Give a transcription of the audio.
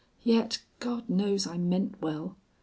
"Yet, God knows I meant well.